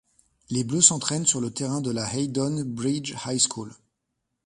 Les Bleus s'entraînent sur le terrain de la Haydon Bridge High School.